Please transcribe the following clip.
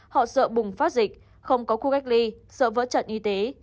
họ sợ bùng phát dịch không có khu cách ly sợ vỡ trận y tế